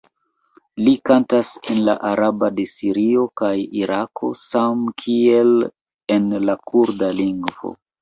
Li kantas en la araba de Sirio kaj Irako samkiel en la kurda lingvo.